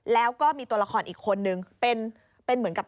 แล้วก็มีตัวละครอีกคนนึง